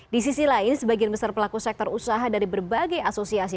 di sisi lain sebagian besar pelaku sektor usaha dari berbagai asosiasi